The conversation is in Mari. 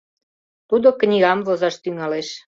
Тудо книгам возаш тӱҥалеш.